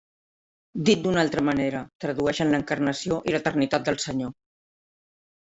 Dit d'una altra manera, tradueixen l'encarnació i l'eternitat del Senyor.